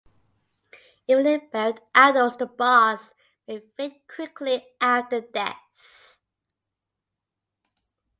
Even in barred adults the bars may fade quickly after death.